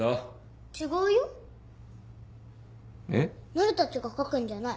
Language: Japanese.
なるたちが書くんじゃない。